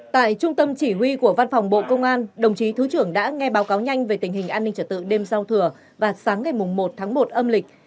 tại trung tâm chỉ huy của văn phòng bộ công an đồng chí thứ trưởng đã nghe báo cáo nhanh về tình hình an ninh trật tự đêm giao thừa và sáng ngày một tháng một âm lịch